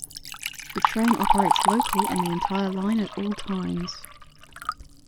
The train operates local on the entire line at all times.